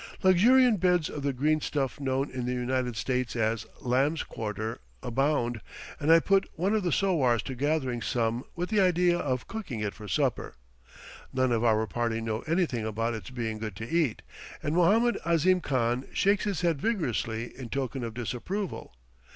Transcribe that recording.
Luxuriant beds of the green stuff known in the United States as lamb's quarter, abound, and I put one of the sowars to gathering some with the idea of cooking it for supper. None of our party know anything about its being good to eat, and Mohammed Ahzim Khan shakes his head vigorously in token of disapproval.